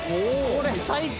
これ最高！